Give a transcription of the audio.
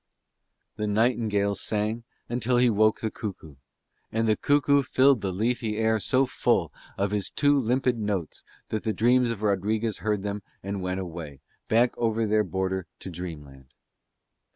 The nightingale sang until he woke the cuckoo: and the cuckoo filled the leafy air so full of his two limpid notes that the dreams of Rodriguez heard them and went away, back over their border to dreamland.